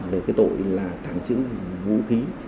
với cái tội là thẳng chữ vũ khí